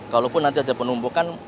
walaupun nanti ada penumpukan